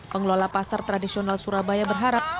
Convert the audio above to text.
pengelola pasar tradisional surabaya berharap